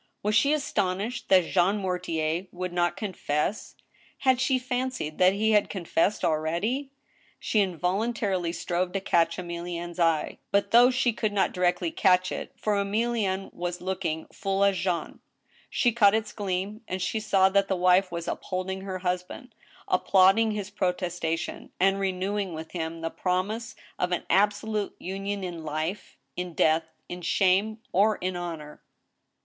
Was she astonished that Jean Mortier would not confess ? Had she fancied that he had confessed already ? She involuntarily strove to catch Emilienne's eye. But, though she could not directly catch it, for Emilienne was looking full at Jean, she caught its gleam, and she saw that the wife was uphold ing her husband, applauding his protestation, and renewing with him the promise of an absolute union in life, in death, in shame, or in honor.